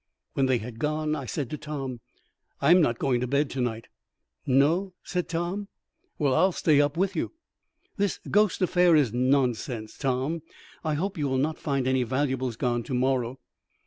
When they had gone, I said to Tom, "I am not going to bed to night." "No?" said Tom. "Well, I'll stay up with you." "This ghost affair is nonsense, Tom. I hope you will not find any valuables gone to morrow."